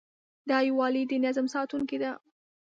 دا یووالی د نظم ساتونکی دی.